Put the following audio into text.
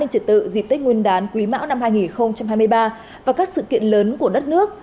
trật tự dịp tết nguyên đán quý mão năm hai nghìn hai mươi ba và các sự kiện lớn của đất nước